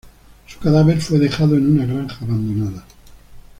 Su cadáver fue dejado en una granja abandonada.